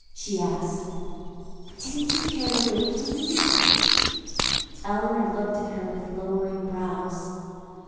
she asked. "Didn't you care to wait for me?" Eleanor looked at her with lowering brows.